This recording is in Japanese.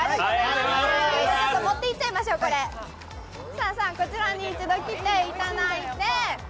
さあさあ、こちらに一度来ていただいて。